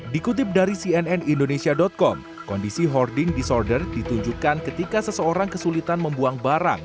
dikutip dari cnn indonesia com kondisi hoarding disorder ditunjukkan ketika seseorang kesulitan membuang barang